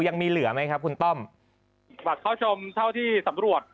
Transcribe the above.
ยังมีเหลือไหมครับคุณต้อมบัตรเข้าชมเท่าที่สำรวจ